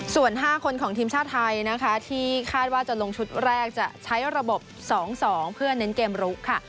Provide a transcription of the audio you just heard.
ส่วน๕คนของทีมชาติไทยนะคะที่คาดว่าจะลงชุดแรกจะใช้ระบบ๒๒เพื่อเน้นเกมรุกค่ะ